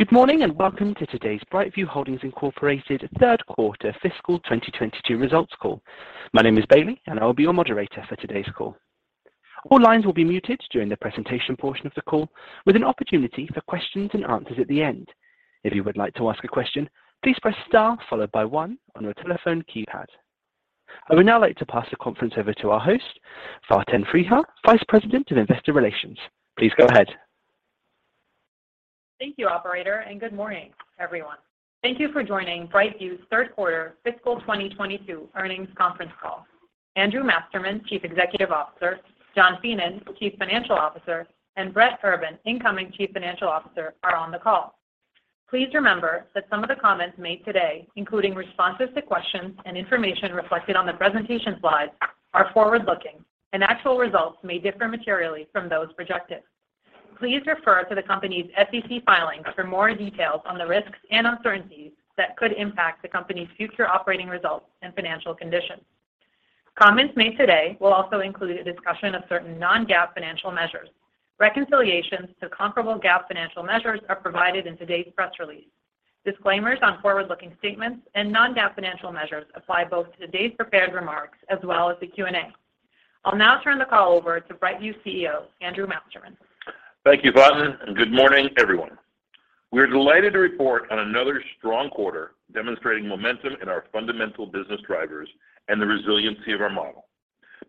Good morning, and welcome to today's BrightView Holdings, Inc. Third Quarter Fiscal 2022 Results Call. My name is Bailey, and I will be your moderator for today's call. All lines will be muted during the presentation portion of the call, with an opportunity for questions and answers at the end. If you would like to ask a question, please press star followed by one on your telephone keypad. I would now like to pass the conference over to our host, Faten Freiha, Vice President of Investor Relations. Please go ahead. Thank you operator, and good morning, everyone. Thank you for joining BrightView's Third Quarter Fiscal 2022 Earnings Conference Call. Andrew Masterman, Chief Executive Officer, John Feenan, Chief Financial Officer, and Brett Urban, incoming Chief Financial Officer, are on the call. Please remember that some of the comments made today, including responses to questions and information reflected on the presentation slides, are forward-looking, and actual results may differ materially from those projected. Please refer to the company's SEC filings for more details on the risks and uncertainties that could impact the company's future operating results and financial conditions. Comments made today will also include a discussion of certain non-GAAP financial measures. Reconciliations to comparable GAAP financial measures are provided in today's press release. Disclaimers on forward-looking statements and non-GAAP financial measures apply both to today's prepared remarks as well as the Q&A. I'll now turn the call over to BrightView's CEO, Andrew Masterman. Thank you, Faten, and good morning, everyone. We're delighted to report on another strong quarter demonstrating momentum in our fundamental business drivers and the resiliency of our model.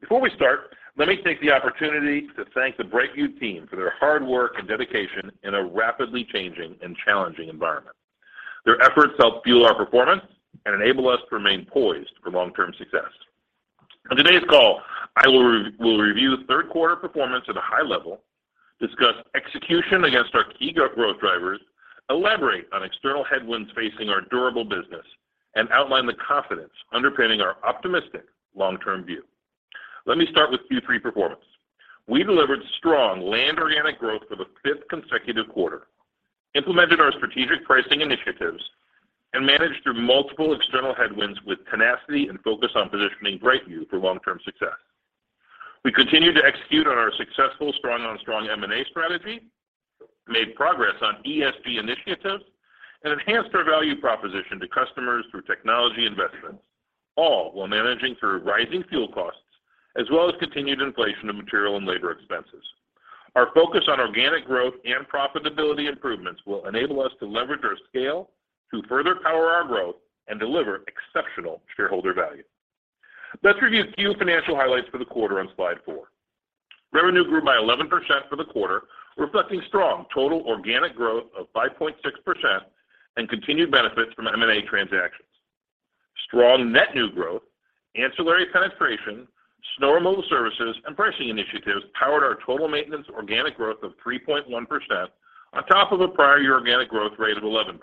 Before we start, let me take the opportunity to thank the BrightView team for their hard work and dedication in a rapidly changing and challenging environment. Their efforts help fuel our performance and enable us to remain poised for long-term success. On today's call, we'll review third quarter performance at a high level, discuss execution against our key growth drivers, elaborate on external headwinds facing our durable business, and outline the confidence underpinning our optimistic long-term view. Let me start with Q3 performance. We delivered strong landscaping organic growth for the fifth consecutive quarter, implemented our strategic pricing initiatives and managed through multiple external headwinds with tenacity and focus on positioning BrightView for long-term success. We continued to execute on our successful strong on strong M&A strategy, made progress on ESG initiatives and enhanced our value proposition to customers through technology investments, all while managing through rising fuel costs as well as continued inflation of material and labor expenses. Our focus on organic growth and profitability improvements will enable us to leverage our scale to further power our growth and deliver exceptional shareholder value. Let's review a few financial highlights for the quarter on slide four. Revenue grew by 11% for the quarter, reflecting strong total organic growth of 5.6% and continued benefits from M&A transactions. Strong net new growth, ancillary penetration, snow removal services, and pricing initiatives powered our total maintenance organic growth of 3.1% on top of a prior-year organic growth rate of 11%.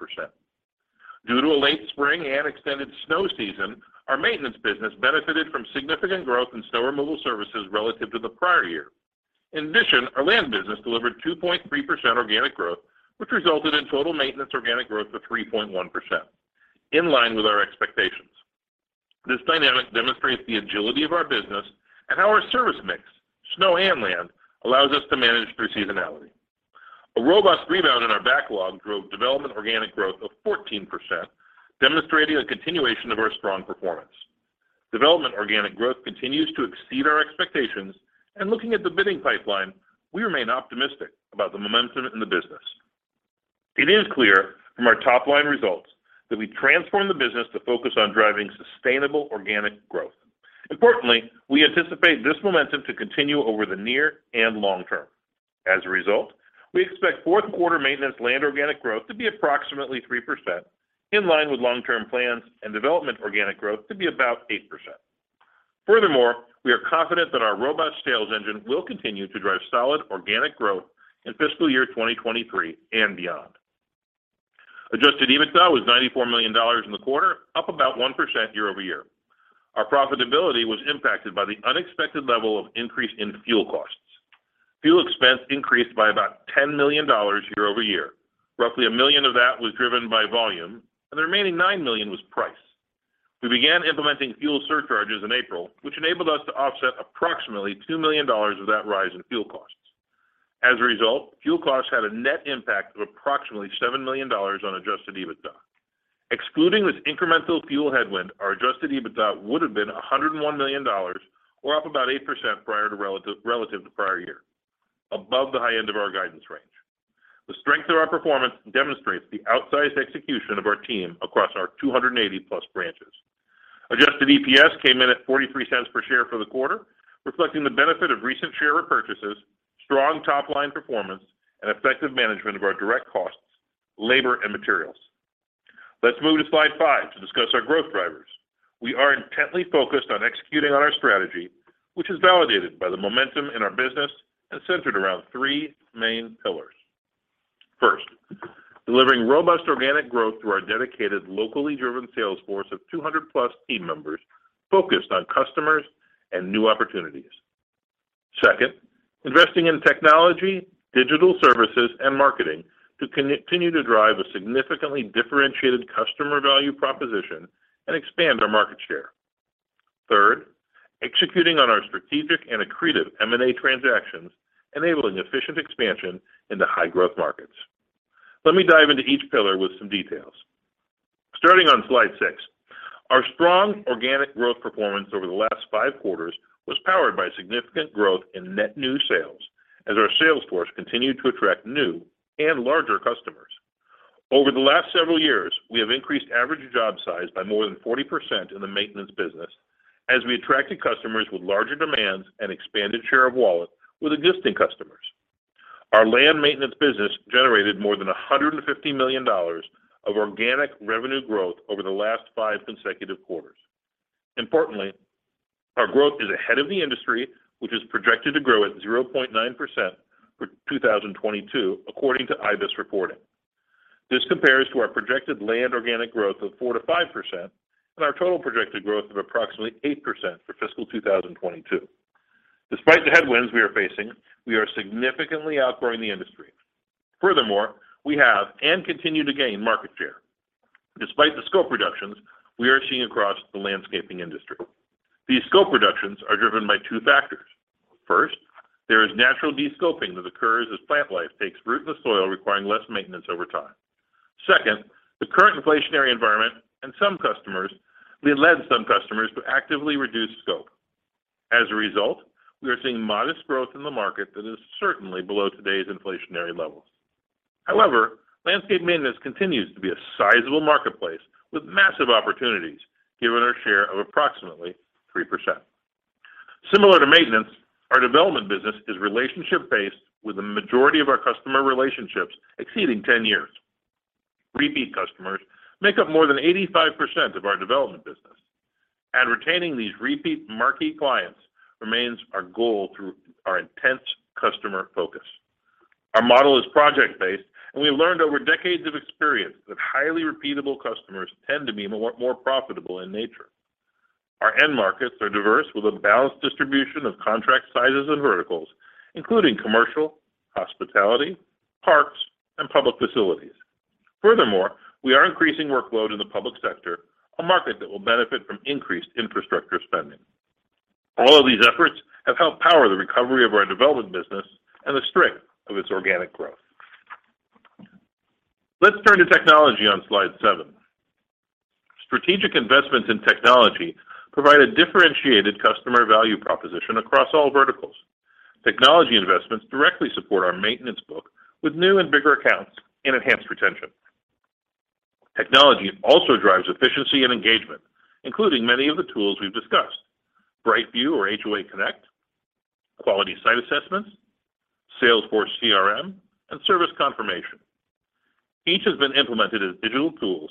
Due to a late spring and extended snow season, our maintenance business benefited from significant growth in snow removal services relative to the prior year. In addition, our land business delivered 2.3% organic growth, which resulted in total maintenance organic growth of 3.1%, in line with our expectations. This dynamic demonstrates the agility of our business and how our service mix, snow and land, allows us to manage through seasonality. A robust rebound in our backlog drove development organic growth of 14%, demonstrating a continuation of our strong performance. Development organic growth continues to exceed our expectations, and looking at the bidding pipeline, we remain optimistic about the momentum in the business. It is clear from our top-line results that we've transformed the business to focus on driving sustainable organic growth. Importantly, we anticipate this momentum to continue over the near and long term. As a result, we expect fourth quarter maintenance land organic growth to be approximately 3% in line with long-term plans and development organic growth to be about 8%. Furthermore, we are confident that our robust sales engine will continue to drive solid organic growth in fiscal year 2023 and beyond. Adjusted EBITDA was $94 million in the quarter, up about 1% year-over-year. Our profitability was impacted by the unexpected level of increase in fuel costs. Fuel expense increased by about $10 million year-over-year. Roughly $1 million of that was driven by volume, and the remaining $9 million was price. We began implementing fuel surcharges in April, which enabled us to offset approximately $2 million of that rise in fuel costs. As a result, fuel costs had a net impact of approximately $7 million on adjusted EBITDA. Excluding this incremental fuel headwind, our adjusted EBITDA would have been $101 million or up about 8% relative to prior year, above the high end of our guidance range. The strength of our performance demonstrates the outsized execution of our team across our 280+ branches. Adjusted EPS came in at $0.43 per share for the quarter, reflecting the benefit of recent share repurchases, strong top-line performance, and effective management of our direct costs, labor, and materials. Let's move to slide five to discuss our growth drivers. We are intently focused on executing on our strategy, which is validated by the momentum in our business and centered around three main pillars. First, delivering robust organic growth through our dedicated, locally driven sales force of 200+ team members focused on customers and new opportunities. Second, investing in technology, digital services, and marketing to continue to drive a significantly differentiated customer value proposition and expand our market share. Executing on our strategic and accretive M&A transactions, enabling efficient expansion into high growth markets. Let me dive into each pillar with some details. Starting on slide six. Our strong organic growth performance over the last five quarters was powered by significant growth in net new sales as our sales force continued to attract new and larger customers. Over the last several years, we have increased average job size by more than 40% in the maintenance business as we attracted customers with larger demands and expanded share of wallet with existing customers. Our landscape maintenance business generated more than $150 million of organic revenue growth over the last five consecutive quarters. Importantly, our growth is ahead of the industry, which is projected to grow at 0.9% for 2022 according to IBISWorld reporting. This compares to our projected landscape organic growth of 4%-5% and our total projected growth of approximately 8% for fiscal 2022. Despite the headwinds we are facing, we are significantly outgrowing the industry. Furthermore, we have and continue to gain market share despite the scope reductions we are seeing across the landscaping industry. These scope reductions are driven by two factors. First, there is natural descoping that occurs as plant life takes root in the soil, requiring less maintenance over time. Second, the current inflationary environment and some customers may lead some customers to actively reduce scope. As a result, we are seeing modest growth in the market that is certainly below today's inflationary levels. However, landscape maintenance continues to be a sizable marketplace with massive opportunities, given our share of approximately 3%. Similar to maintenance, our development business is relationship-based, with the majority of our customer relationships exceeding 10 years. Repeat customers make up more than 85% of our development business and retaining these repeat marquee clients remains our goal through our intense customer focus. Our model is project-based, and we have learned over decades of experience that highly repeatable customers tend to be more profitable in nature. Our end markets are diverse, with a balanced distribution of contract sizes and verticals, including commercial, hospitality, parks, and public facilities. Furthermore, we are increasing workload in the public sector, a market that will benefit from increased infrastructure spending. All of these efforts have helped power the recovery of our development business and the strength of its organic growth. Let's turn to technology on slide seven. Strategic investments in technology provide a differentiated customer value proposition across all verticals. Technology investments directly support our maintenance book with new and bigger accounts and enhanced retention. Technology also drives efficiency and engagement, including many of the tools we've discussed. BrightView or HOA Connect, quality site assessments, Salesforce CRM, and service confirmation. Each has been implemented as digital tools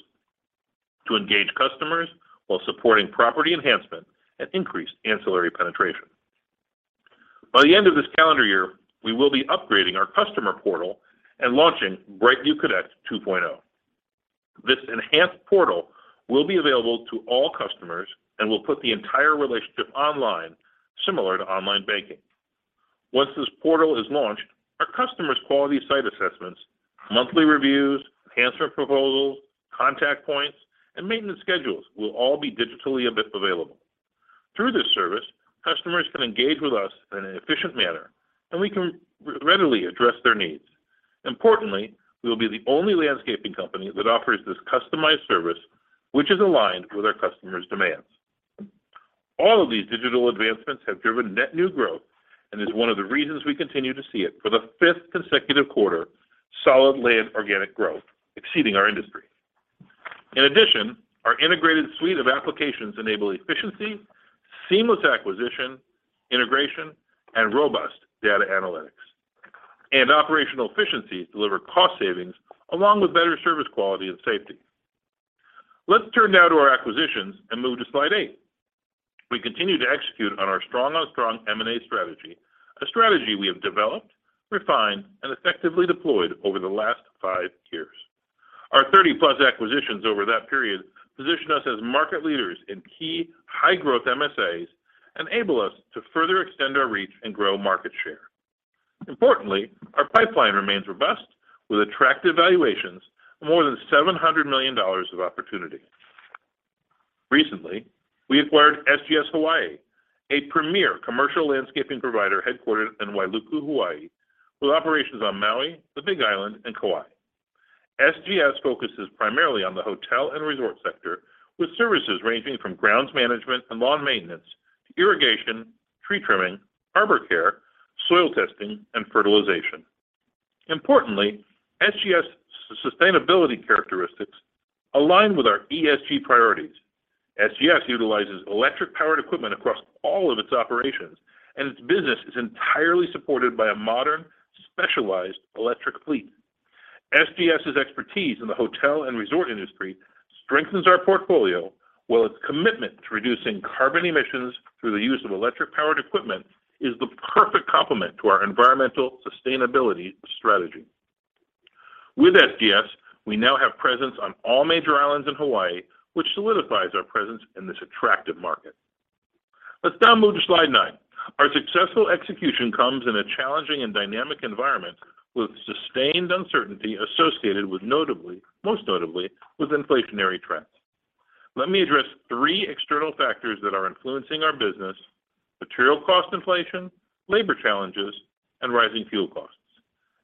to engage customers while supporting property enhancement and increased ancillary penetration. By the end of this calendar year, we will be upgrading our customer portal and launching BrightView Connect 2.0. This enhanced portal will be available to all customers and will put the entire relationship online, similar to online banking. Once this portal is launched, our customers' quality site assessments, monthly reviews, enhancement proposals, contact points, and maintenance schedules will all be digitally available. Through this service, customers can engage with us in an efficient manner, and we can readily address their needs. Importantly, we will be the only landscaping company that offers this customized service which is aligned with our customers' demands. All of these digital advancements have driven net new growth and is one of the reasons we continue to see it for the fifth consecutive quarter, solid landscape organic growth exceeding our industry. In addition, our integrated suite of applications enable efficiency, seamless acquisition, integration, and robust data analytics. Operational efficiencies deliver cost savings along with better service quality and safety. Let's turn now to our acquisitions and move to slide eight. We continue to execute on our strong M&A strategy, a strategy we have developed, refined, and effectively deployed over the last five years. Our 30+ acquisitions over that period position us as market leaders in key high-growth MSAs, enable us to further extend our reach and grow market share. Importantly, our pipeline remains robust with attractive valuations of more than $700 million of opportunity. Recently, we acquired SGS Hawaii, a premier commercial landscaping provider headquartered in Wailuku, Hawaii, with operations on Maui, the Big Island, and Kauai. SGS focuses primarily on the hotel and resort sector, with services ranging from grounds management and lawn maintenance to irrigation, tree trimming, arbor care, soil testing, and fertilization. Importantly, SGS's sustainability characteristics align with our ESG priorities. SGS utilizes electric-powered equipment across all of its operations, and its business is entirely supported by a modern, specialized electric fleet. SGS's expertise in the hotel and resort industry strengthens our portfolio, while its commitment to reducing carbon emissions through the use of electric-powered equipment is the perfect complement to our environmental sustainability strategy. With SGS, we now have presence on all major islands in Hawaii, which solidifies our presence in this attractive market. Let's now move to slide nine. Successful execution comes in a challenging and dynamic environment with sustained uncertainty associated with notably, most notably with inflationary trends. Let me address three external factors that are influencing our business, material cost inflation, labor challenges, and rising fuel costs,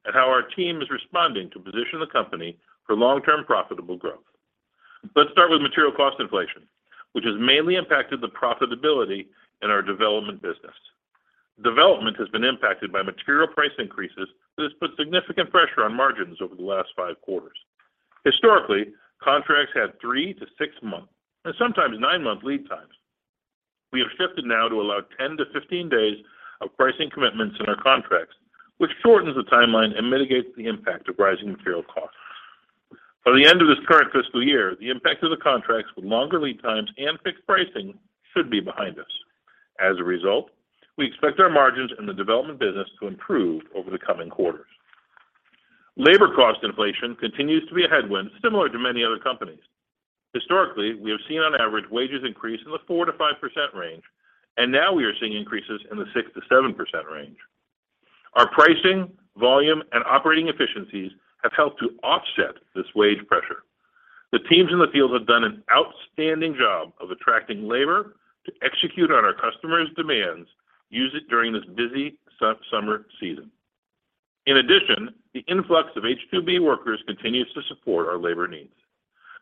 and how our team is responding to position the company for long-term profitable growth. Let's start with material cost inflation, which has mainly impacted the profitability in our development business. Development has been impacted by material price increases that has put significant pressure on margins over the last five quarters. Historically, contracts had three-six month, and sometimes nine-month lead times. We have shifted now to allow 10–15-day pricing commitments in our contracts, which shortens the timeline and mitigates the impact of rising material costs. By the end of this current fiscal year, the impact of the contracts with longer lead times and fixed pricing should be behind us. As a result, we expect our margins in the development business to improve over the coming quarters. Labor cost inflation continues to be a headwind, similar to many other companies. Historically, we have seen on average wages increase in the 4%-5% range, and now we are seeing increases in the 6%-7% range. Our pricing, volume, and operating efficiencies have helped to offset this wage pressure. The teams in the field have done an outstanding job of attracting labor to execute on our customers' demands during this busy summer season. In addition, the influx of H-2B workers continues to support our labor needs.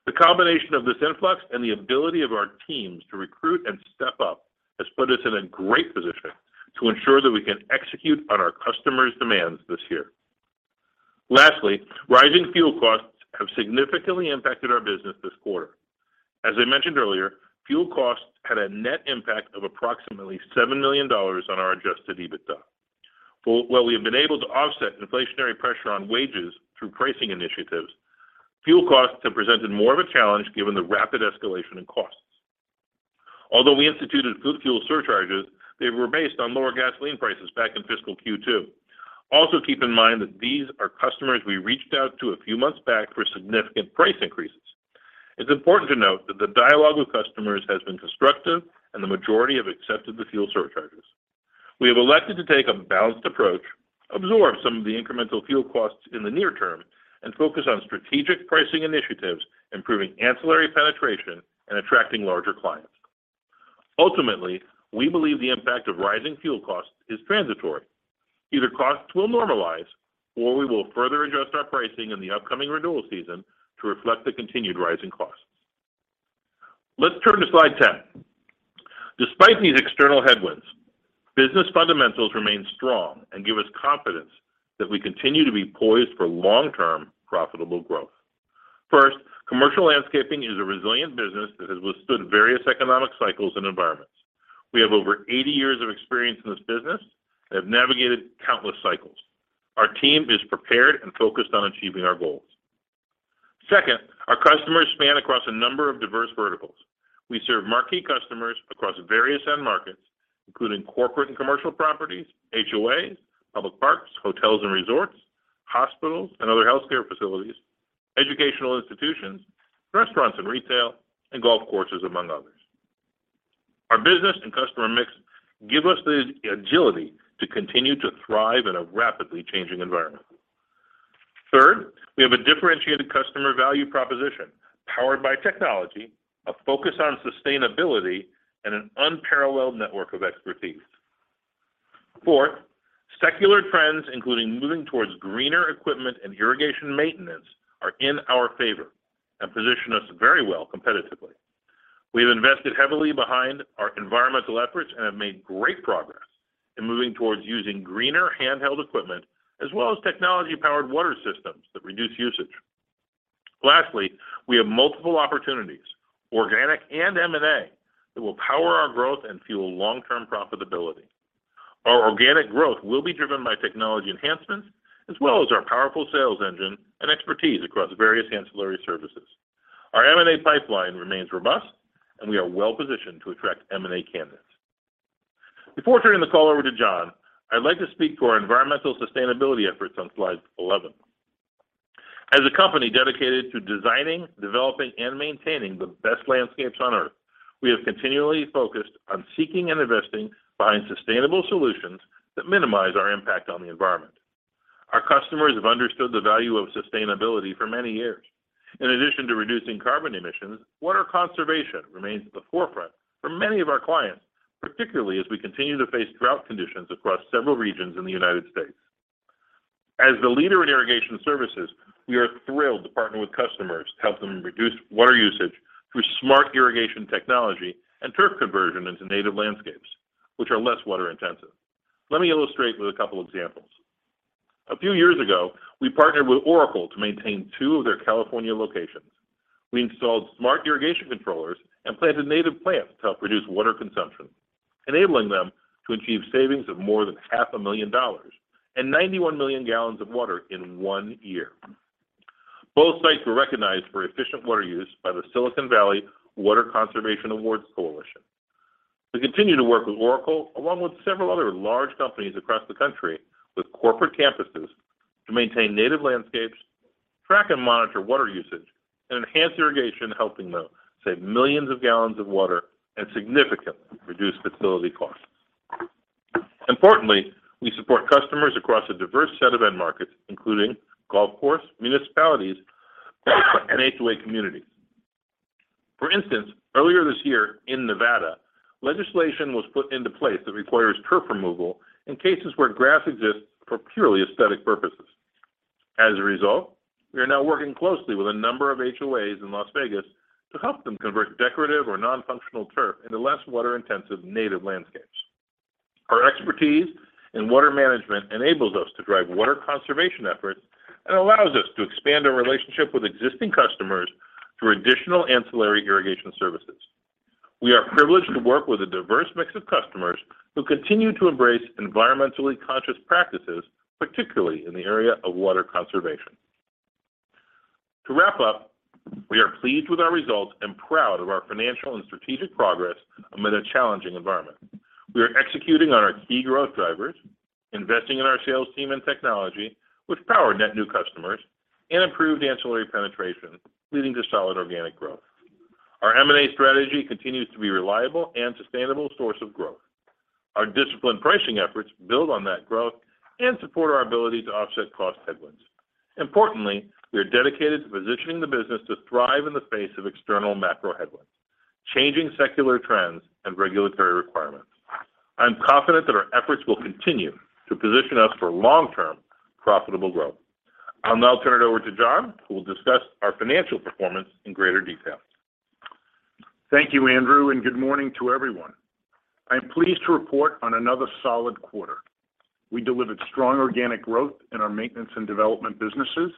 The combination of this influx and the ability of our teams to recruit and step up has put us in a great position to ensure that we can execute on our customers' demands this year. Lastly, rising fuel costs have significantly impacted our business this quarter. As I mentioned earlier, fuel costs had a net impact of approximately $7 million on our adjusted EBITDA. While we have been able to offset inflationary pressure on wages through pricing initiatives, fuel costs have presented more of a challenge given the rapid escalation in costs. Although we instituted fuel surcharges, they were based on lower gasoline prices back in fiscal Q2. Also, keep in mind that these are customers we reached out to a few months back for significant price increases. It's important to note that the dialogue with customers has been constructive, and the majority have accepted the fuel surcharges. We have elected to take a balanced approach, absorb some of the incremental fuel costs in the near term, and focus on strategic pricing initiatives, improving ancillary penetration, and attracting larger clients. Ultimately, we believe the impact of rising fuel costs is transitory. Either costs will normalize, or we will further adjust our pricing in the upcoming renewal season to reflect the continued rising costs. Let's turn to slide 10. Despite these external headwinds, business fundamentals remain strong and give us confidence that we continue to be poised for long-term profitable growth. First, commercial landscaping is a resilient business that has withstood various economic cycles and environments. We have over 80 years of experience in this business and have navigated countless cycles. Our team is prepared and focused on achieving our goals. Second, our customers span across a number of diverse verticals. We serve marquee customers across various end markets, including corporate and commercial properties, HOAs, public parks, hotels and resorts, hospitals and other healthcare facilities, educational institutions, restaurants and retail, and golf courses, among others. Our business and customer mix give us the agility to continue to thrive in a rapidly changing environment. Third, we have a differentiated customer value proposition powered by technology, a focus on sustainability, and an unparalleled network of expertise. Fourth, secular trends, including moving towards greener equipment and irrigation maintenance, are in our favor and position us very well competitively. We have invested heavily behind our environmental efforts and have made great progress in moving towards using greener handheld equipment as well as technology-powered water systems that reduce usage. Lastly, we have multiple opportunities, organic and M&A, that will power our growth and fuel long-term profitability. Our organic growth will be driven by technology enhancements as well as our powerful sales engine and expertise across various ancillary services. Our M&A pipeline remains robust, and we are well-positioned to attract M&A candidates. Before turning the call over to John, I'd like to speak to our environmental sustainability efforts on slide 11. As a company dedicated to designing, developing, and maintaining the best landscapes on Earth, we have continually focused on seeking and investing behind sustainable solutions that minimize our impact on the environment. Our customers have understood the value of sustainability for many years. In addition to reducing carbon emissions, water conservation remains at the forefront for many of our clients, particularly as we continue to face drought conditions across several regions in the United States. As the leader in irrigation services, we are thrilled to partner with customers to help them reduce water usage through smart irrigation technology and turf conversion into native landscapes, which are less water intensive. Let me illustrate with a couple examples. A few years ago, we partnered with Oracle to maintain two of their California locations. We installed smart irrigation controllers and planted native plants to help reduce water consumption, enabling them to achieve savings of more than $500,000 and 91 million gal of water in one year. Both sites were recognized for efficient water use by the Silicon Valley Water Conservation Award Coalition. We continue to work with Oracle, along with several other large companies across the country with corporate campuses to maintain native landscapes. Track and monitor water usage, and enhance irrigation, helping them save millions of gallons of water and significantly reduce facility costs. Importantly, we support customers across a diverse set of end markets, including golf course, municipalities, and HOA communities. For instance, earlier this year in Nevada, legislation was put into place that requires turf removal in cases where grass exists for purely aesthetic purposes. As a result, we are now working closely with a number of HOAs in Las Vegas to help them convert decorative or non-functional turf into less water-intensive native landscapes. Our expertise in water management enables us to drive water conservation efforts and allows us to expand our relationship with existing customers through additional ancillary irrigation services. We are privileged to work with a diverse mix of customers who continue to embrace environmentally conscious practices, particularly in the area of water conservation. To wrap up, we are pleased with our results and proud of our financial and strategic progress amid a challenging environment. We are executing on our key growth drivers, investing in our sales team and technology, which power net new customers and improved ancillary penetration, leading to solid organic growth. Our M&A strategy continues to be reliable and sustainable source of growth. Our disciplined pricing efforts build on that growth and support our ability to offset cost headwinds. Importantly, we are dedicated to positioning the business to thrive in the face of external macro headwinds, changing secular trends and regulatory requirements. I'm confident that our efforts will continue to position us for long-term profitable growth. I'll now turn it over to John Feenan, who will discuss our financial performance in greater detail. Thank you, Andrew, and good morning to everyone. I am pleased to report on another solid quarter. We delivered strong organic growth in our maintenance and development businesses,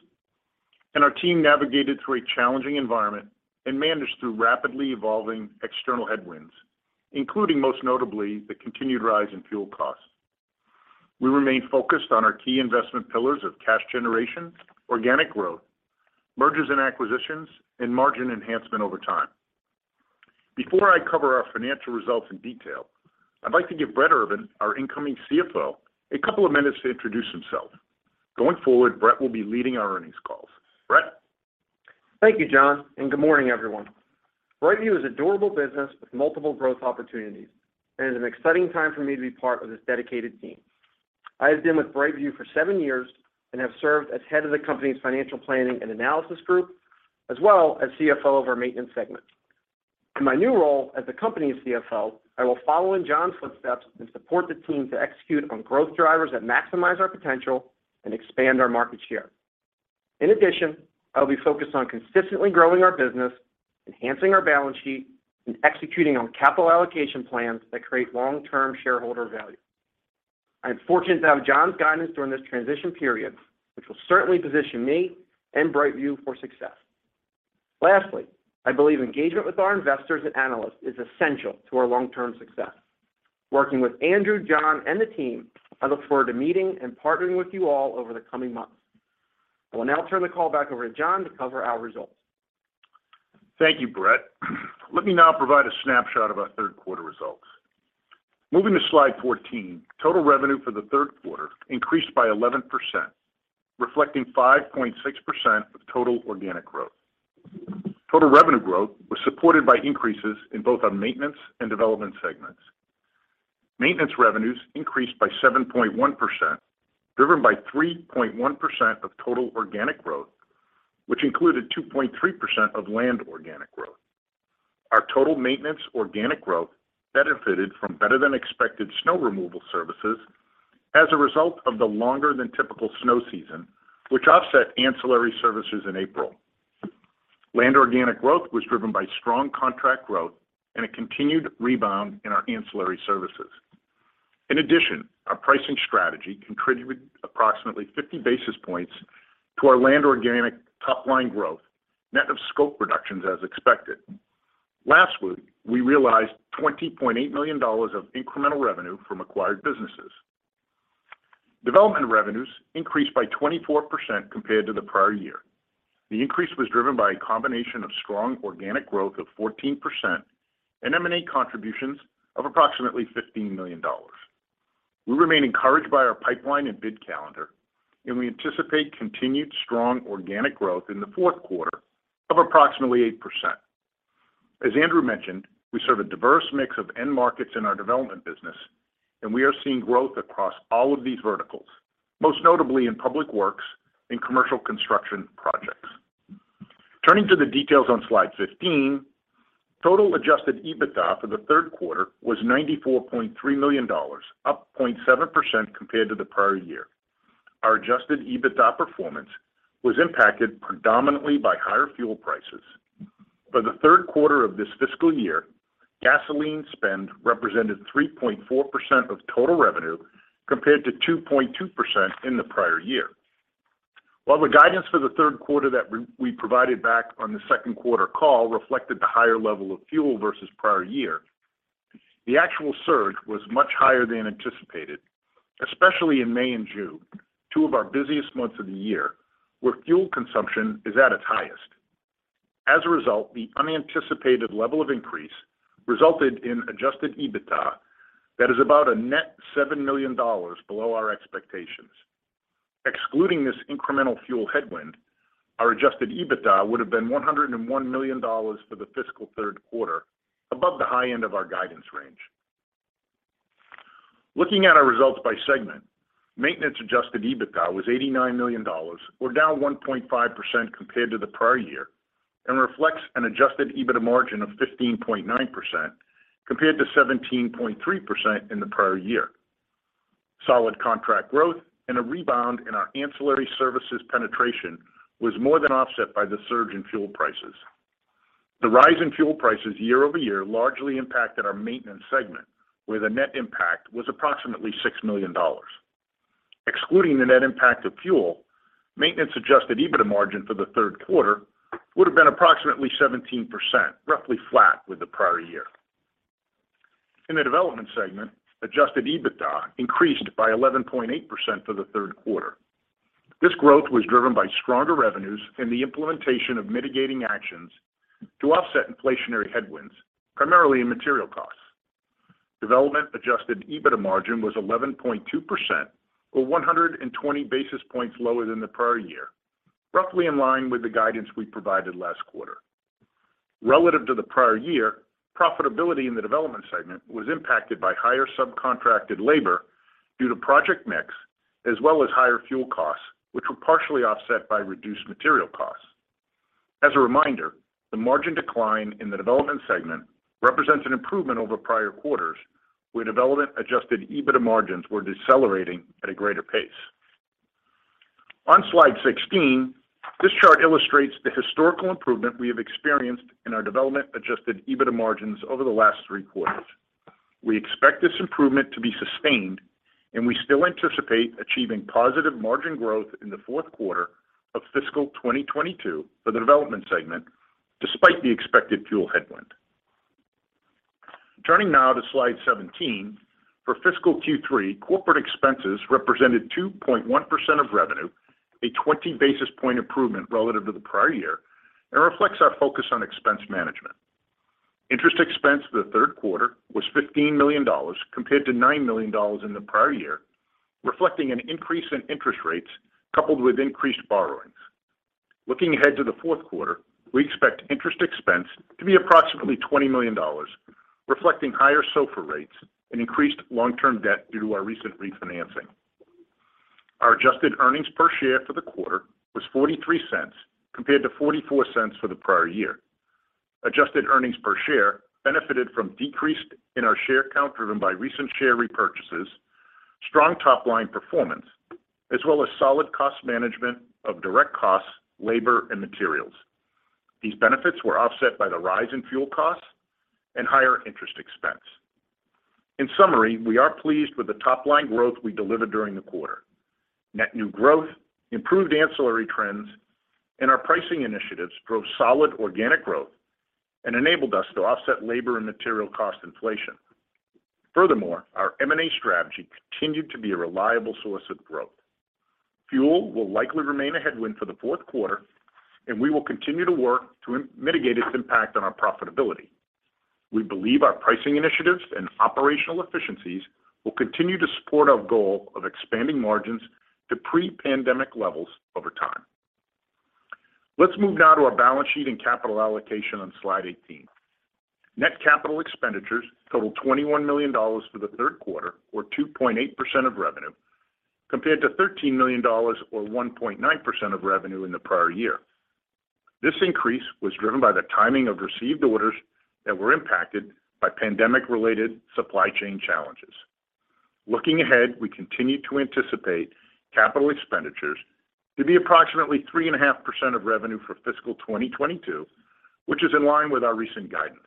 and our team navigated through a challenging environment and managed through rapidly evolving external headwinds, including, most notably, the continued rise in fuel costs. We remain focused on our key investment pillars of cash generation, organic growth, mergers and acquisitions, and margin enhancement over time. Before I cover our financial results in detail, I'd like to give Brett Urban, our incoming CFO, a couple of minutes to introduce himself. Going forward, Brett will be leading our earnings calls. Brett? Thank you, John, and good morning, everyone. BrightView is a durable business with multiple growth opportunities, and it is an exciting time for me to be part of this dedicated team. I have been with BrightView for seven years and have served as head of the company's Financial Planning and Analysis group, as well as CFO of our Maintenance segment. In my new role as the company's CFO, I will follow in John's footsteps and support the team to execute on growth drivers that maximize our potential and expand our market share. In addition, I will be focused on consistently growing our business, enhancing our balance sheet, and executing on capital allocation plans that create long-term shareholder value. I am fortunate to have John's guidance during this transition period, which will certainly position me and BrightView for success. Lastly, I believe engagement with our investors and analysts is essential to our long-term success. Working with Andrew, John, and the team, I look forward to meeting and partnering with you all over the coming months. I will now turn the call back over to John to cover our results. Thank you, Brett. Let me now provide a snapshot of our third quarter results. Moving to slide 14, total revenue for the third quarter increased by 11%, reflecting 5.6% of total organic growth. Total revenue growth was supported by increases in both our maintenance and development segments. Maintenance revenues increased by 7.1%, driven by 3.1% of total organic growth, which included 2.3% of land organic growth. Our total maintenance organic growth benefited from better than expected snow removal services as a result of the longer than typical snow season, which offset ancillary services in April. Land organic growth was driven by strong contract growth and a continued rebound in our ancillary services. In addition, our pricing strategy contributed approximately 50 basis points to our land organic top line growth, net of scope reductions as expected. Lastly, we realized $20.8 million of incremental revenue from acquired businesses. Development revenues increased by 24% compared to the prior year. The increase was driven by a combination of strong organic growth of 14% and M&A contributions of approximately $15 million. We remain encouraged by our pipeline and bid calendar, and we anticipate continued strong organic growth in the fourth quarter of approximately 8%. As Andrew mentioned, we serve a diverse mix of end markets in our development business, and we are seeing growth across all of these verticals, most notably in public works and commercial construction projects. Turning to the details on slide 15, total adjusted EBITDA for the third quarter was $94.3 million, up 0.7% compared to the prior year. Our adjusted EBITDA performance was impacted predominantly by higher fuel prices. For the third quarter of this fiscal year, gasoline spend represented 3.4% of total revenue, compared to 2.2% in the prior year. While the guidance for the third quarter that we provided back on the second quarter call reflected the higher level of fuel versus prior year, the actual surge was much higher than anticipated, especially in May and June, two of our busiest months of the year, where fuel consumption is at its highest. As a result, the unanticipated level of increase resulted in adjusted EBITDA that is about a net $7 million below our expectations. Excluding this incremental fuel headwind, our adjusted EBITDA would have been $101 million for the fiscal third quarter, above the high end of our guidance range. Looking at our results by segment, maintenance adjusted EBITDA was $89 million or down 1.5% compared to the prior year, and reflects an adjusted EBITDA margin of 15.9% compared to 17.3% in the prior year. Solid contract growth and a rebound in our ancillary services penetration was more than offset by the surge in fuel prices. The rise in fuel prices year-over-year largely impacted our maintenance segment, where the net impact was approximately $6 million. Excluding the net impact of fuel, maintenance-adjusted EBITDA margin for the third quarter would have been approximately 17%, roughly flat with the prior year. In the development segment, adjusted EBITDA increased by 11.8% for the third quarter. This growth was driven by stronger revenues and the implementation of mitigating actions to offset inflationary headwinds, primarily in material costs. Development adjusted EBITDA margin was 11.2% or 100 basis points lower than the prior year, roughly in line with the guidance we provided last quarter. Relative to the prior year, profitability in the development segment was impacted by higher subcontracted labor due to project mix as well as higher fuel costs, which were partially offset by reduced material costs. As a reminder, the margin decline in the development segment represents an improvement over prior quarters, where development adjusted EBITDA margins were decelerating at a greater pace. On slide 16, this chart illustrates the historical improvement we have experienced in our development adjusted EBITDA margins over the last three quarters. We expect this improvement to be sustained, and we still anticipate achieving positive margin growth in the fourth quarter of fiscal 2022 for the development segment despite the expected fuel headwind. Turning now to slide 17. For fiscal Q3, corporate expenses represented 2.1% of revenue, a 20 basis point improvement relative to the prior year, and reflects our focus on expense management. Interest expense for the third quarter was $15 million compared to $9 million in the prior year, reflecting an increase in interest rates coupled with increased borrowings. Looking ahead to the fourth quarter, we expect interest expense to be approximately $20 million, reflecting higher SOFR rates and increased long-term debt due to our recent refinancing. Our adjusted earnings per share for the quarter was $0.43 compared to $0.44 for the prior year. Adjusted earnings per share benefited from decrease in our share count driven by recent share repurchases, strong top line performance, as well as solid cost management of direct costs, labor, and materials. These benefits were offset by the rise in fuel costs and higher interest expense. In summary, we are pleased with the top line growth we delivered during the quarter. Net new growth, improved ancillary trends, and our pricing initiatives drove solid organic growth and enabled us to offset labor and material cost inflation. Furthermore, our M&A strategy continued to be a reliable source of growth. Fuel will likely remain a headwind for the fourth quarter, and we will continue to work to mitigate its impact on our profitability. We believe our pricing initiatives and operational efficiencies will continue to support our goal of expanding margins to pre-pandemic levels over time. Let's move now to our balance sheet and capital allocation on slide 18. Net capital expenditures totaled $21 million for the third quarter or 2.8% of revenue, compared to $13 million or 1.9% of revenue in the prior year. This increase was driven by the timing of received orders that were impacted by pandemic-related supply chain challenges. Looking ahead, we continue to anticipate capital expenditures to be approximately 3.5% of revenue for fiscal 2022, which is in line with our recent guidance.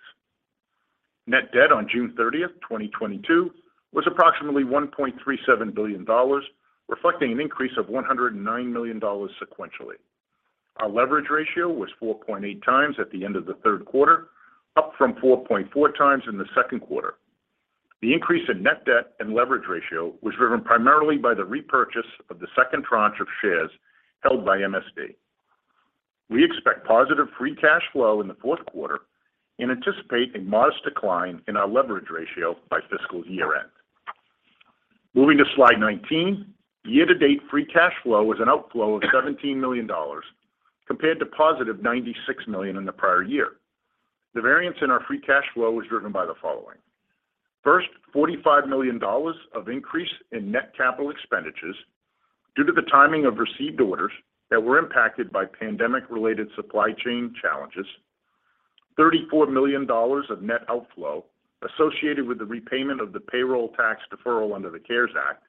Net debt on June 30th, 2022 was approximately $1.37 billion, reflecting an increase of $109 million sequentially. Our leverage ratio was 4.8x at the end of the third quarter, up from 4.4x in the second quarter. The increase in net debt and leverage ratio was driven primarily by the repurchase of the second tranche of shares held by MSD Partners. We expect positive free cash flow in the fourth quarter and anticipate a modest decline in our leverage ratio by fiscal year-end. Moving to slide 19. Year to date, free cash flow is an outflow of $17 million compared to positive $96 million in the prior year. The variance in our free cash flow is driven by the following. First, $45 million of increase in net capital expenditures due to the timing of received orders that were impacted by pandemic-related supply chain challenges. $34 million of net outflow associated with the repayment of the payroll tax deferral under the CARES Act,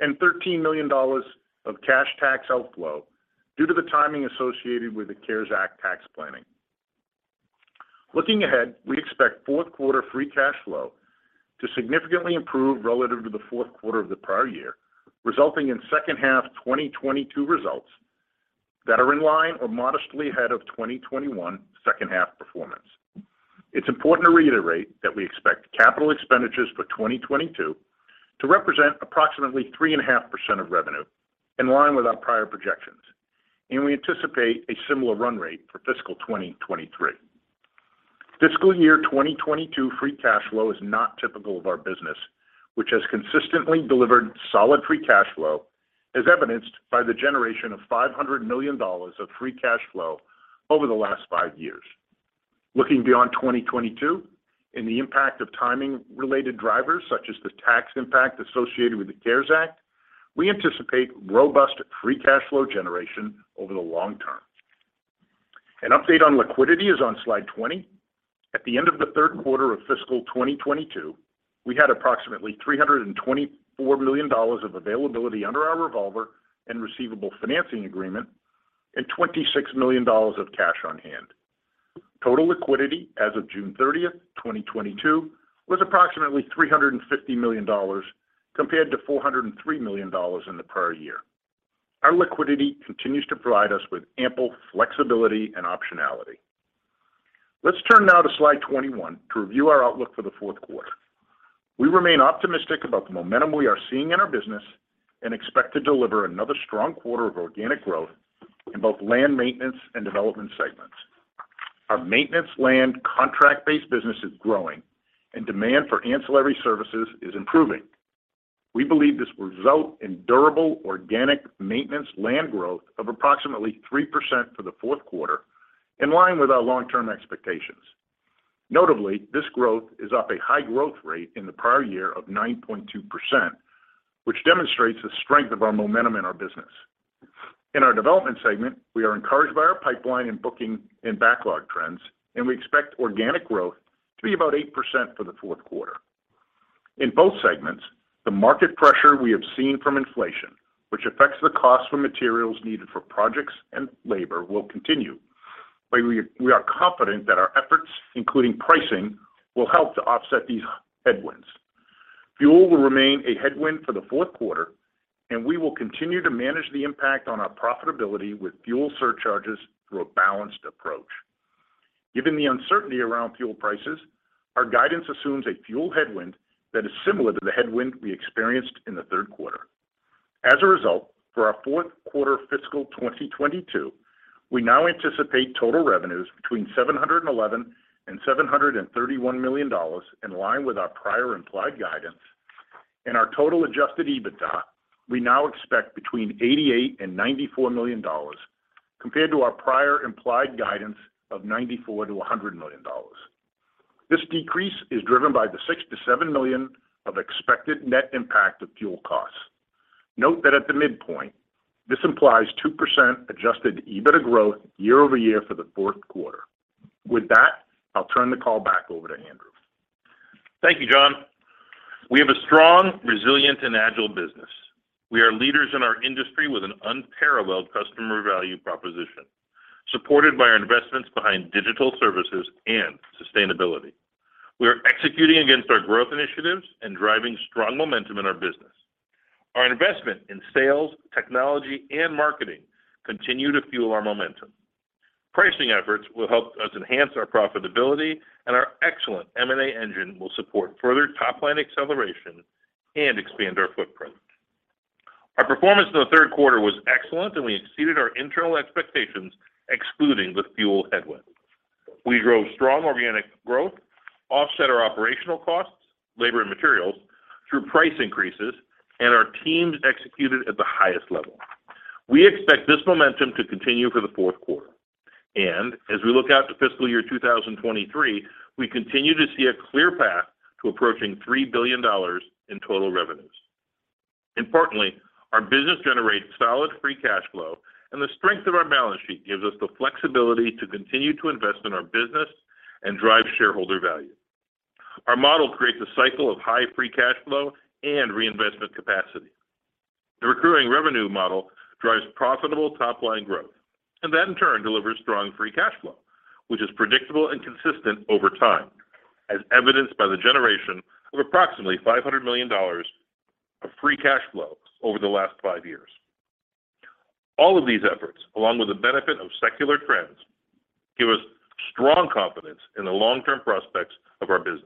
and $13 million of cash tax outflow due to the timing associated with the CARES Act tax planning. Looking ahead, we expect fourth quarter free cash flow to significantly improve relative to the fourth quarter of the prior year, resulting in second half 2022 results that are in line or modestly ahead of 2021 second half performance. It's important to reiterate that we expect capital expenditures for 2022 to represent approximately 3.5% of revenue, in line with our prior projections, and we anticipate a similar run rate for fiscal 2023. Fiscal year 2022 free cash flow is not typical of our business, which has consistently delivered solid free cash flow, as evidenced by the generation of $500 million of free cash flow over the last five years. Looking beyond 2022 and the impact of timing-related drivers, such as the tax impact associated with the CARES Act, we anticipate robust free cash flow generation over the long term. An update on liquidity is on slide 20. At the end of the third quarter of fiscal 2022, we had approximately $324 million of availability under our revolver and receivable financing agreement and $26 million of cash on hand. Total liquidity as of June 30th, 2022, was approximately $350 million compared to $403 million in the prior year. Our liquidity continues to provide us with ample flexibility and optionality. Let's turn now to slide 21 to review our outlook for the fourth quarter. We remain optimistic about the momentum we are seeing in our business and expect to deliver another strong quarter of organic growth in both landscape maintenance and development segments. Our landscape maintenance contract-based business is growing and demand for ancillary services is improving. We believe this will result in durable organic maintenance land growth of approximately 3% for the fourth quarter, in line with our long-term expectations. Notably, this growth is off a high growth rate in the prior year of 9.2%, which demonstrates the strength of our momentum in our business. In our development segment, we are encouraged by our pipeline in booking and backlog trends, and we expect organic growth to be about 8% for the fourth quarter. In both segments, the market pressure we have seen from inflation, which affects the cost for materials needed for projects and labor, will continue. We are confident that our efforts, including pricing, will help to offset these headwinds. Fuel will remain a headwind for the fourth quarter, and we will continue to manage the impact on our profitability with fuel surcharges through a balanced approach. Given the uncertainty around fuel prices, our guidance assumes a fuel headwind that is similar to the headwind we experienced in the third quarter. As a result, for our fourth quarter fiscal 2022, we now anticipate total revenues between $711 million and $731 million in line with our prior implied guidance. Our total adjusted EBITDA, we now expect between $88 million and $94 million compared to our prior implied guidance of $94 million-$100 million. This decrease is driven by the $6 million-$7 million of expected net impact of fuel costs. Note that at the midpoint, this implies 2% adjusted EBITDA growth year over year for the fourth quarter. With that, I'll turn the call back over to Andrew. Thank you, John. We have a strong, resilient, and agile business. We are leaders in our industry with an unparalleled customer value proposition, supported by our investments behind digital services and sustainability. We are executing against our growth initiatives and driving strong momentum in our business. Our investment in sales, technology, and marketing continue to fuel our momentum. Pricing efforts will help us enhance our profitability, and our excellent M&A engine will support further top line acceleration and expand our footprint. Our performance in the third quarter was excellent, and we exceeded our internal expectations, excluding the fuel headwind. We drove strong organic growth, offset our operational costs, labor and materials through price increases, and our teams executed at the highest level. We expect this momentum to continue for the fourth quarter. As we look out to fiscal year 2023, we continue to see a clear path to approaching $3 billion in total revenues. Importantly, our business generates solid free cash flow, and the strength of our balance sheet gives us the flexibility to continue to invest in our business and drive shareholder value. Our model creates a cycle of high free cash flow and reinvestment capacity. The recurring revenue model drives profitable top-line growth and that in turn delivers strong free cash flow, which is predictable and consistent over time, as evidenced by the generation of approximately $500 million of free cash flow over the last five years. All of these efforts, along with the benefit of secular trends, give us strong confidence in the long-term prospects of our business.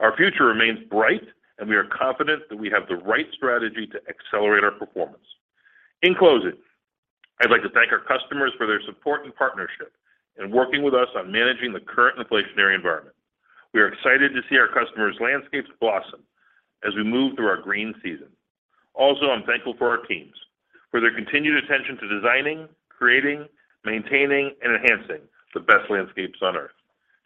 Our future remains bright, and we are confident that we have the right strategy to accelerate our performance. In closing, I'd like to thank our customers for their support and partnership in working with us on managing the current inflationary environment. We are excited to see our customers' landscapes blossom as we move through our green season. Also, I'm thankful for our teams, for their continued attention to designing, creating, maintaining, and enhancing the best landscapes on Earth.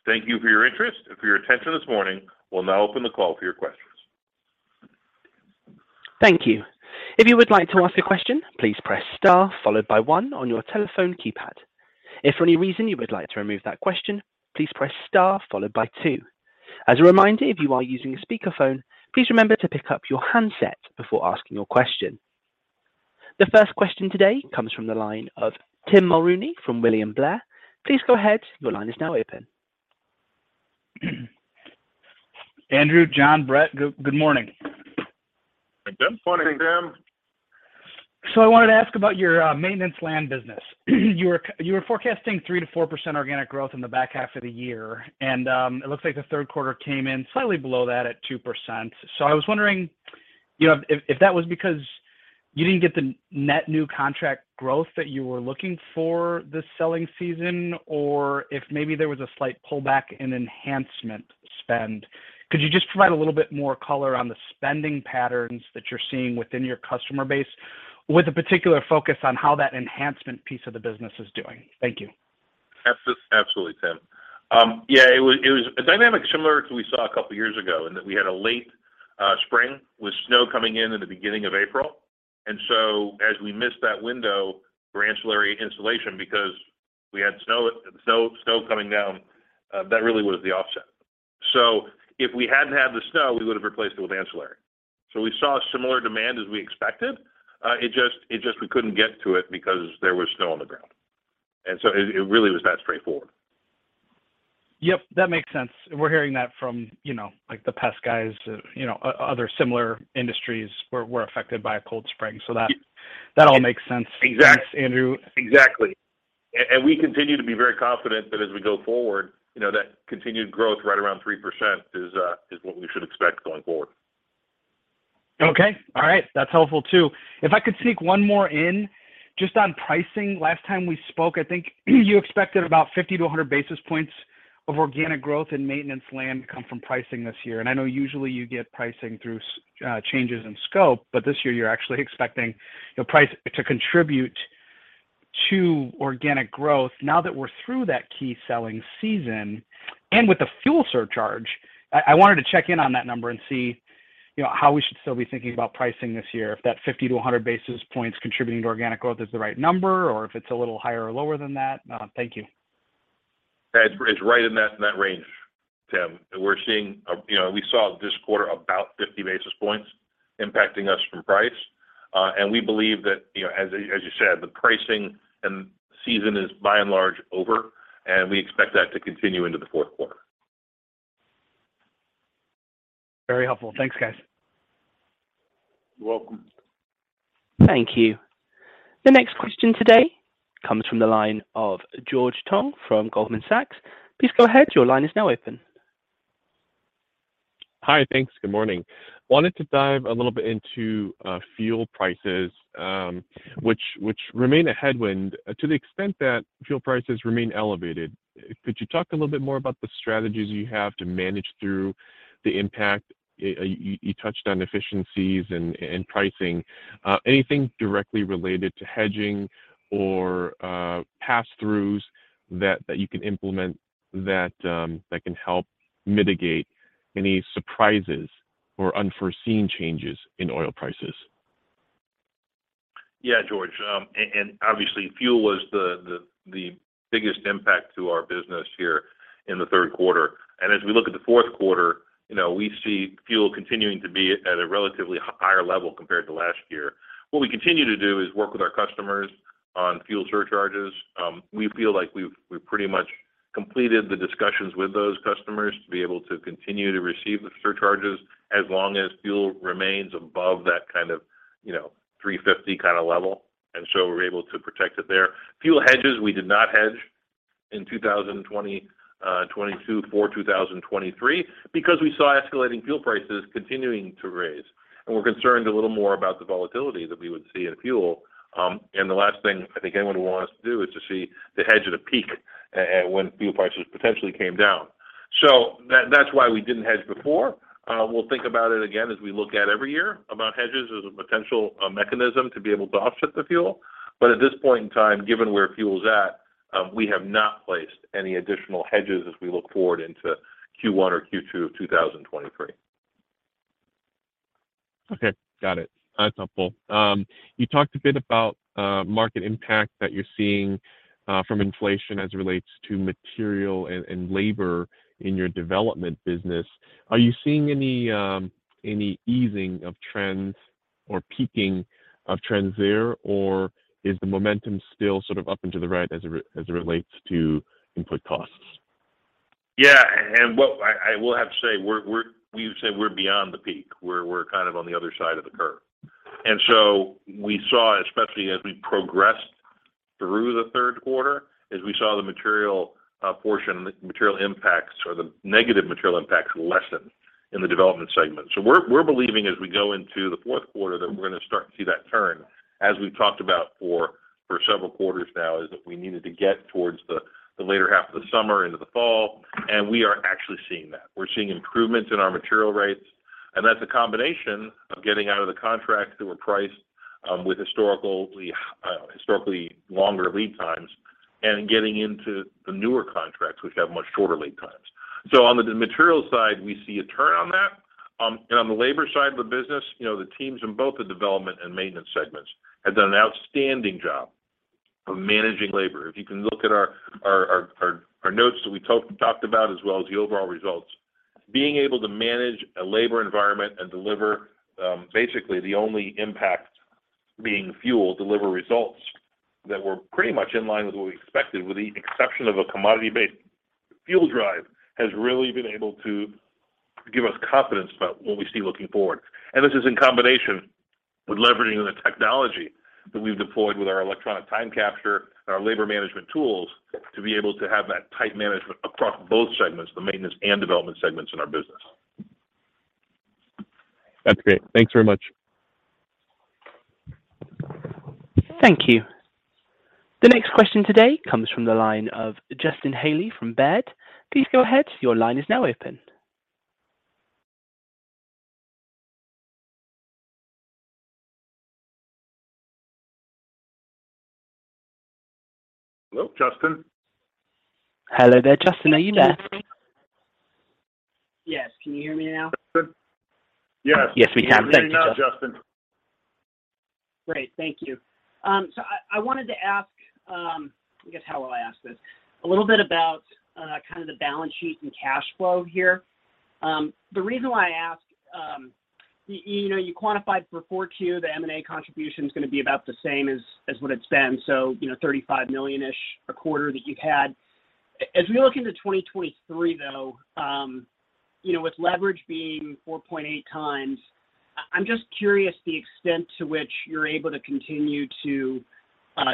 Thank you for your interest and for your attention this morning. We'll now open the call for your questions. Thank you. If you would like to ask a question, please press star followed by one on your telephone keypad. If for any reason you would like to remove that question, please press star followed by two. As a reminder, if you are using a speakerphone, please remember to pick up your handset before asking your question. The first question today comes from the line of Tim Mulrooney from William Blair. Please go ahead. Your line is now open. Andrew, John, Brett, good morning. Good morning, Tim. I wanted to ask about your maintenance landscape business. You were forecasting 3%-4% organic growth in the back half of the year, and it looks like the third quarter came in slightly below that at 2%. I was wondering if that was because you didn't get the net new contract growth that you were looking for this selling season, or if maybe there was a slight pullback in enhancement spend. Could you just provide a little bit more color on the spending patterns that you're seeing within your customer base, with a particular focus on how that enhancement piece of the business is doing? Thank you. Absolutely, Tim. Yeah, it was a dynamic similar to we saw a couple years ago in that we had a late spring with snow coming in in the beginning of April. As we missed that window for ancillary installation because we had snow coming down, that really was the offset. If we hadn't had the snow, we would have replaced it with ancillary. We saw similar demand as we expected, it just we couldn't get to it because there was snow on the ground. It really was that straightforward. Yep, that makes sense. We're hearing that from, you know, like, the pest guys, you know, other similar industries were affected by a cold spring, so that. Y- That all makes sense. Exactly Thanks, Andrew. Exactly. We continue to be very confident that as we go forward, you know, that continued growth right around 3% is what we should expect going forward. Okay, all right. That's helpful too. If I could sneak one more in, just on pricing, last time we spoke, I think you expected about 50-100 basis points of organic growth and maintenance land come from pricing this year. I know usually you get pricing through changes in scope, but this year you're actually expecting, you know, price to contribute to organic growth. Now that we're through that key selling season and with the fuel surcharge, I wanted to check in on that number and see, you know, how we should still be thinking about pricing this year, if that 50-100 basis points contributing to organic growth is the right number or if it's a little higher or lower than that. Thank you. It's right in that range, Tim. You know, we saw this quarter about 50 basis points impacting us from price. We believe that, you know, as you said, the pricing and season is by and large over, and we expect that to continue into the fourth quarter. Very helpful. Thanks, guys. You're welcome. Thank you. The next question today comes from the line of George Tong from Goldman Sachs. Please go ahead, your line is now open. Hi. Thanks. Good morning. Wanted to dive a little bit into fuel prices, which remain a headwind to the extent that fuel prices remain elevated. Could you talk a little bit more about the strategies you have to manage through the impact? You touched on efficiencies and pricing. Anything directly related to hedging or passthroughs that you can implement that can help mitigate any surprises or unforeseen changes in oil prices? Yeah, George. Obviously, fuel was the biggest impact to our business here in the third quarter. As we look at the fourth quarter, you know, we see fuel continuing to be at a relatively higher level compared to last year. What we continue to do is work with our customers on fuel surcharges. We feel like we've pretty much completed the discussions with those customers to be able to continue to receive the surcharges as long as fuel remains above that kind of, you know, $3.50 kind of level. We're able to protect it there. Fuel hedges, we did not hedge in 2022 for 2023 because we saw escalating fuel prices continuing to rise. We're concerned a little more about the volatility that we would see in fuel. The last thing I think anyone would want us to do is to see the hedge at a peak and when fuel prices potentially came down. That, that's why we didn't hedge before. We'll think about it again as we look at every year about hedges as a potential mechanism to be able to offset the fuel. At this point in time, given where fuel is at, we have not placed any additional hedges as we look forward into Q1 or Q2 of 2023. Okay. Got it. That's helpful. You talked a bit about market impact that you're seeing from inflation as it relates to material and labor in your development business. Are you seeing any easing of trends or peaking of trends there, or is the momentum still sort of up into the right as it relates to input costs? Yeah. What I will have to say, we would say we're beyond the peak. We're kind of on the other side of the curve. We saw, especially as we progressed through the third quarter, we saw the material portion, material impacts or the negative material impacts lessen in the development segment. We're believing as we go into the fourth quarter that we're gonna start to see that turn, as we've talked about for several quarters now, that we needed to get towards the later half of the summer into the fall, and we are actually seeing that. We're seeing improvements in our material rates, and that's a combination of getting out of the contracts that were priced with historically longer lead times and getting into the newer contracts, which have much shorter lead times. On the materials side, we see a turn on that. On the labor side of the business, you know, the teams in both the development and maintenance segments have done an outstanding job of managing labor. If you can look at our notes that we talked about as well as the overall results, being able to manage a labor environment and deliver basically the only impact. BrightView delivering results that were pretty much in line with what we expected, with the exception of a commodity-based fuel surcharge, has really been able to give us confidence about what we see looking forward. This is in combination with leveraging the technology that we've deployed with our electronic time capture and our labor management tools to be able to have that tight management across both segments, the maintenance and development segments in our business. That's great. Thanks very much. Thank you. The next question today comes from the line of Justin Hauke from Robert W. Baird. Please go ahead. Your line is now open. Hello, Justin. Hello there, Justin. Are you there? Can you hear me? Yes. Can you hear me now? Yes. Yes, we can. Thank you, Justin. Great. Thank you. So I wanted to ask. I guess, how will I ask this? A little bit about kind of the balance sheet and cash flow here. The reason why I ask, you know, you quantified for Q4, the M&A contribution is gonna be about the same as what it's been. You know, $35 million-ish a quarter that you had. As we look into 2023 though, you know, with leverage being 4.8x, I'm just curious the extent to which you're able to continue to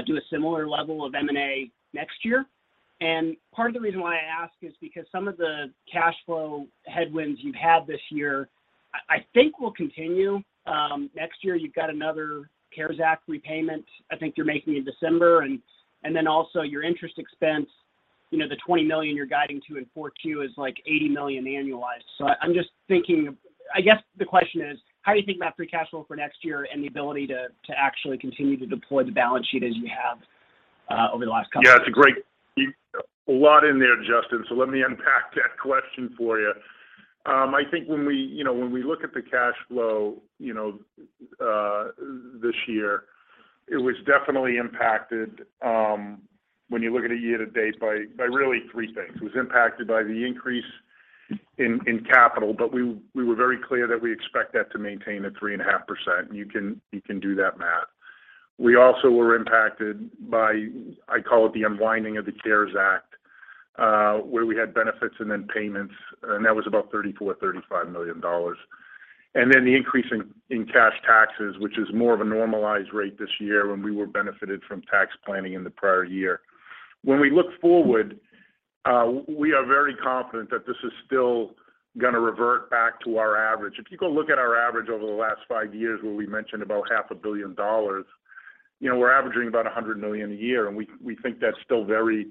do a similar level of M&A next year. Part of the reason why I ask is because some of the cash flow headwinds you had this year, I think will continue. Next year, you've got another CARES Act repayment I think you're making in December, and then also your interest expense, you know, the $20 million you're guiding to in 4Q is like $80 million annualized. I'm just thinking, I guess the question is, how are you thinking about free cash flow for next year and the ability to actually continue to deploy the balance sheet as you have over the last couple? A lot in there, Justin, so let me unpack that question for you. I think when we look at the cash flow, you know, this year, it was definitely impacted when you look at it year to date by really three things. It was impacted by the increase in capital, but we were very clear that we expect that to maintain at 3.5%. You can do that math. We also were impacted by, I call it the unwinding of the CARES Act, where we had benefits and then payments, and that was about $34 million-$35 million. Then the increase in cash taxes, which is more of a normalized rate this year when we were benefited from tax planning in the prior year. When we look forward, we are very confident that this is still gonna revert back to our average. If you go look at our average over the last five years, where we mentioned about $500 million, you know, we're averaging about $100 million a year, and we think that's still very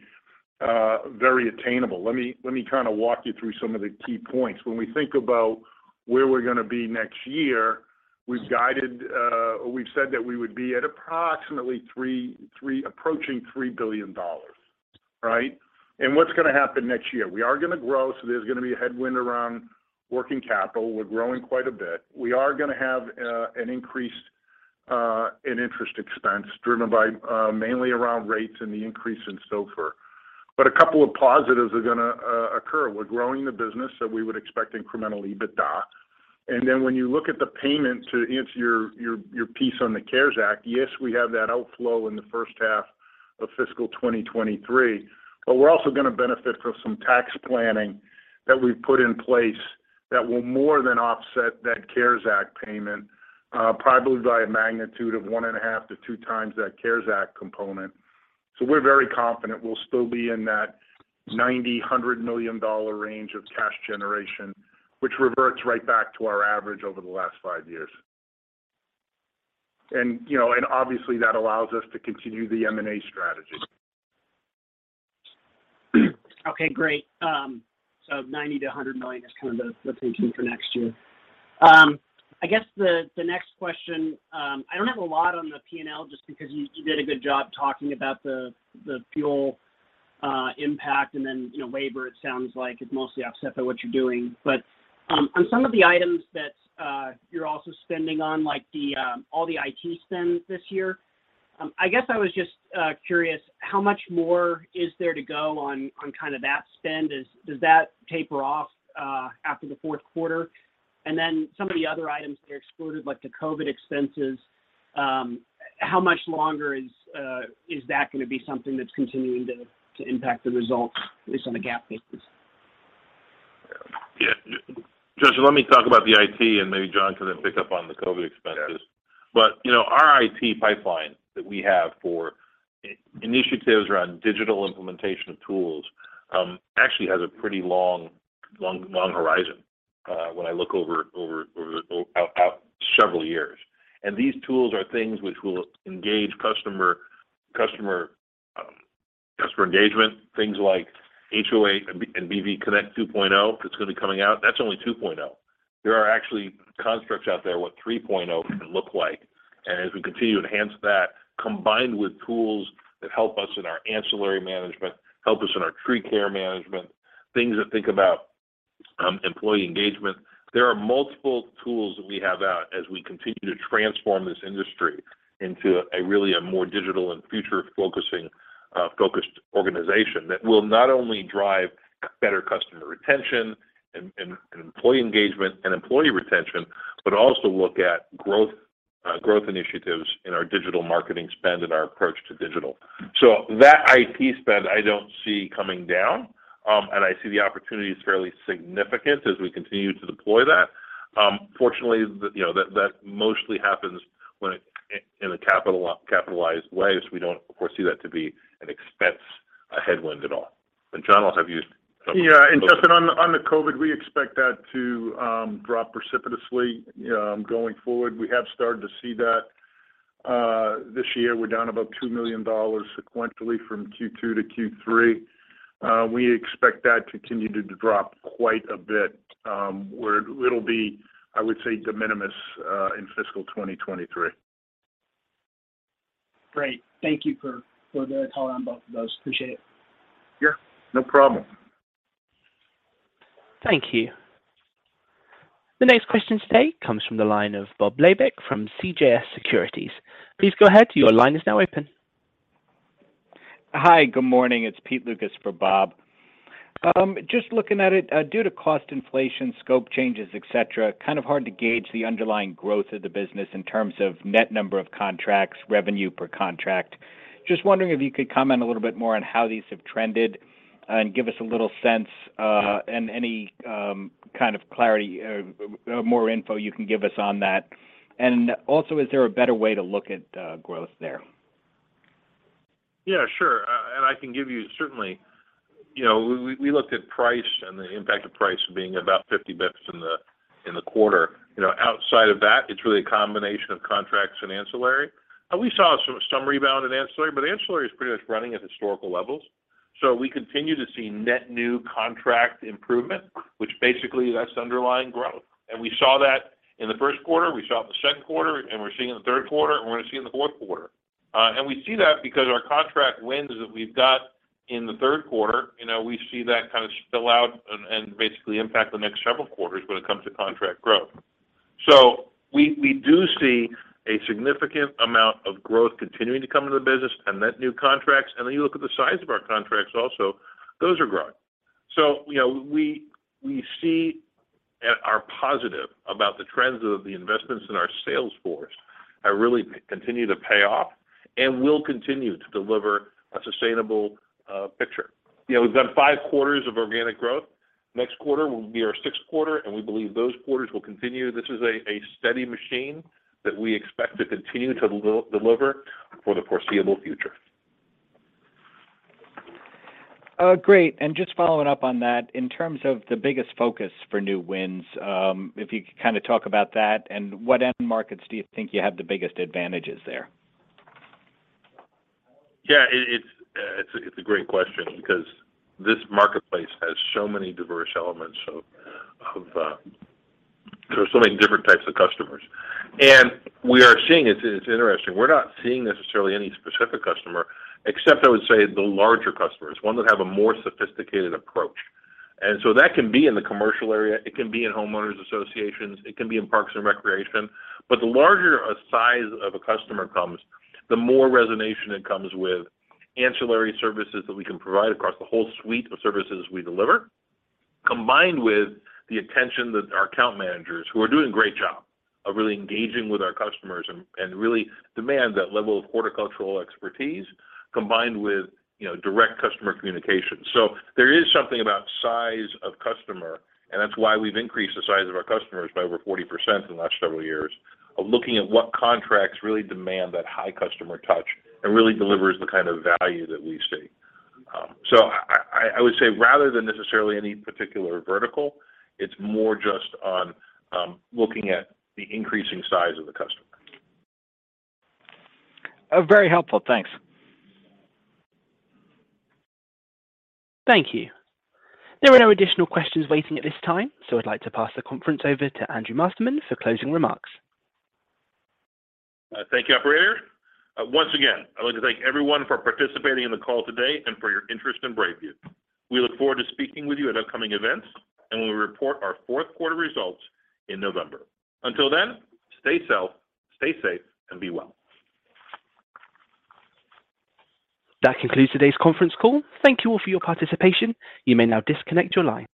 attainable. Let me kind of walk you through some of the key points. When we think about where we're gonna be next year, we've guided or we've said that we would be at approximately $3 billion, right? What's gonna happen next year? We are gonna grow, so there's gonna be a headwind around working capital. We're growing quite a bit. We are gonna have an increase in interest expense driven by mainly around rates and the increase in SOFR. A couple of positives are gonna occur. We're growing the business, so we would expect incremental EBITDA. When you look at the payment, to answer your piece on the CARES Act, yes, we have that outflow in the first half of fiscal 2023, but we're also gonna benefit from some tax planning that we've put in place that will more than offset that CARES Act payment, probably by a magnitude of 1.5x-2x that CARES Act component. We're very confident we'll still be in that $90 million-$100 million range of cash generation, which reverts right back to our average over the last five years. You know, obviously that allows us to continue the M&A strategy. Okay, great. So, $90 million-$100 million is kind of the pacing for next year. I guess the next question, I don't have a lot on the P&L just because you did a good job talking about the fuel impact and then, you know, labor, it sounds like is mostly offset by what you're doing. On some of the items that you're also spending on, like all the IT spends this year, I guess I was just curious how much more is there to go on kind of that spend? Does that taper off after the fourth quarter? Then some of the other items that are excluded, like the COVID expenses, how much longer is that gonna be something that's continuing to impact the results, at least on a GAAP basis? Yeah. Justin, let me talk about the IT and maybe John can then pick up on the COVID expenses. Yeah. You know, our IT pipeline that we have for initiatives around digital implementation of tools actually has a pretty long horizon when I look out several years. These tools are things which will engage customer engagement, things like HOA Connect and BrightView Connect 2.0, that's gonna be coming out. That's only 2.0. There are actually constructs out there what 3.0 can look like. We continue to enhance that, combined with tools that help us in our ancillary management, help us in our tree care management, things that think about employee engagement, there are multiple tools that we have out as we continue to transform this industry into a really a more digital and future-focused organization that will not only drive Better customer retention and employee engagement and employee retention but also look at growth initiatives in our digital marketing spend and our approach to digital. That IT spend I don't see coming down, and I see the opportunity is fairly significant as we continue to deploy that. Fortunately, that mostly happens in a capitalized way, so we don't of course view that to be an expense, a headwind at all. John, I'll have you- Yeah. Justin, on the COVID, we expect that to drop precipitously going forward. We have started to see that this year. We're down about $2 million sequentially from Q2 to Q3. We expect that to continue to drop quite a bit, where it'll be, I would say, de minimis in fiscal 2023. Great. Thank you for the color on both of those. Appreciate it. Sure. No problem. Thank you. The next question today comes from the line of Bob Labick from CJS Securities. Please go ahead, your line is now open. Hi, good morning. It's Pete Lucas for Bob. Just looking at it, due to cost inflation, scope changes, et cetera, kind of hard to gauge the underlying growth of the business in terms of net number of contracts, revenue per contract. Just wondering if you could comment a little bit more on how these have trended and give us a little sense, and any kind of clarity or more info you can give us on that. Also, is there a better way to look at growth there? Yeah, sure. I can give you certainly. You know, we looked at price and the impact of price being about 50 basis points in the quarter. You know, outside of that, it's really a combination of contracts and ancillary. We saw some rebound in ancillary, but ancillary is pretty much running at historical levels. We continue to see net new contract improvement, which basically that's underlying growth. We saw that in the first quarter, we saw it in the second quarter, and we're seeing it in the third quarter, and we're gonna see it in the fourth quarter. We see that because our contract wins that we've got in the third quarter, you know, we see that kind of spill out and basically impact the next several quarters when it comes to contract growth. We do see a significant amount of growth continuing to come to the business and net new contracts. You look at the size of our contracts also. Those are growing. You know, we see and are positive about the trends of the investments in our sales force, are really continue to pay off and will continue to deliver a sustainable picture. You know, we've done five quarters of organic growth. Next quarter will be our 6th quarter, and we believe those quarters will continue. This is a steady machine that we expect to continue to deliver for the foreseeable future. Great. Just following up on that, in terms of the biggest focus for new wins, if you could kinda talk about that and what end markets do you think you have the biggest advantages there? It's a great question because this marketplace has so many diverse elements. There are so many different types of customers. We are seeing. It's interesting. We're not seeing necessarily any specific customer, except I would say the larger customers, ones that have a more sophisticated approach. That can be in the commercial area, it can be in homeowners associations, it can be in parks and recreation. The larger a size of a customer comes, the more resonance it comes with ancillary services that we can provide across the whole suite of services we deliver, combined with the attention that our account managers, who are doing a great job of really engaging with our customers and really demand that level of horticultural expertise combined with, you know, direct customer communication. There is something about size of customer, and that's why we've increased the size of our customers by over 40% in the last several years. Looking at what contracts really demand that high customer touch and really delivers the kind of value that we seek. I would say rather than necessarily any particular vertical, it's more just on looking at the increasing size of the customer. Very helpful. Thanks. Thank you. There are no additional questions waiting at this time, so I'd like to pass the conference over to Andrew Masterman for closing remarks. Thank you, operator. Once again, I'd like to thank everyone for participating in the call today and for your interest in BrightView. We look forward to speaking with you at upcoming events, and we'll report our fourth quarter results in November. Until then, stay safe, and be well. That concludes today's conference call. Thank you all for your participation. You may now disconnect your line.